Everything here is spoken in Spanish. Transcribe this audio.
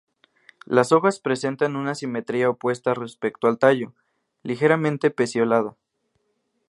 Las hojas presentan una simetría opuesta respecto al tallo; ligeramente peciolada.